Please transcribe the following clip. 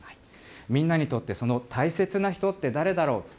みんなにとってその大切な人って誰だろう。